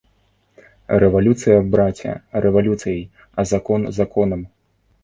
Рэвалюцыя, браце, рэвалюцыяй, а закон законам.